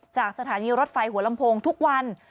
จากสถานีรถไฟหัวลำโพงทุกวัน